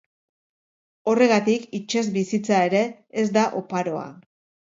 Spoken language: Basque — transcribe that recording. Horregatik, itsas bizitza ere ez da oparoa.